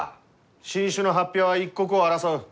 新種の発表は一刻を争う。